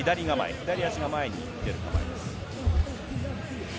左足が前に出る構えです。